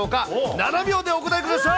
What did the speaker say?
７秒でお答えください。